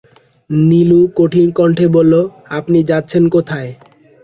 নীলু কঠিন কণ্ঠে বলল, আপনি যাচ্ছেন কোথায়?